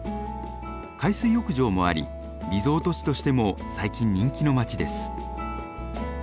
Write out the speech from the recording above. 海水浴場もありリゾート地としても最近人気の街です。